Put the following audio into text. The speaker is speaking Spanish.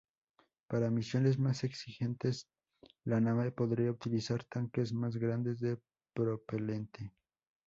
Para misiones más exigentes la nave podría utilizar tanques más grandes de propelente.